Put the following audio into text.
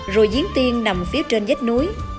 rồi diến tiên nằm phía trên dách núi